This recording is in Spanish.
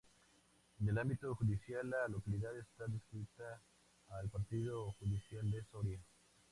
En el ámbito judicial la localidad está adscrita al partido judicial de Soria.